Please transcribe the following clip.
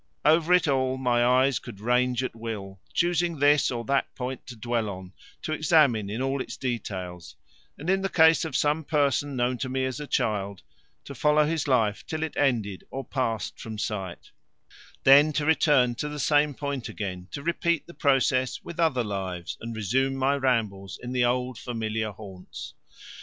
Over it all my eyes could range at will, choosing this or that point to dwell on, to examine it in all its details; and, in the case of some person known to me as a child, to follow his life till it ended or passed from sight; then to return to the same point again to repeat the process with other lives and resume my rambles in the old familiar haunts.